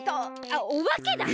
あっおばけだ！